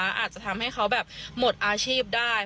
อาจจะทำให้เขาแบบหมดอาชีพได้